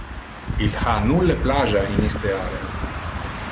Il ha nulle plagia in iste area.